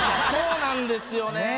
そうなんですよね。